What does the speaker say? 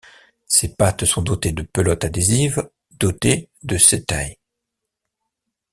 Ses pattes sont dotées de pelotes adhésives, dotées de setæ.